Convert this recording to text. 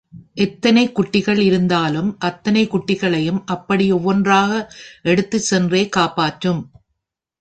எத்தனை குட்டிகள் இருந்தாலும் அத்தனை குட்டிகளையும் அப்படி ஒவ்வொன்றாக எடுத்துச் சென்றே காப்பாற்றும்.